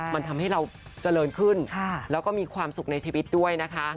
มันทำให้เราเจริญขึ้นแล้วก็มีความสุขในชีวิตด้วยนะคะ